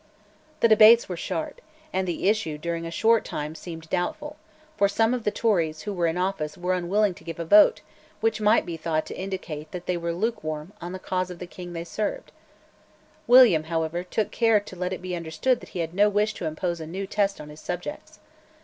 The debates were sharp; and the issue during a short time seemed doubtful; for some of the Tories who were in office were unwilling to give a vote which might be thought to indicate that they were lukewarm in the cause of the King whom they served. William, however, took care to let it be understood that he had no wish to impose a new test on his subjects.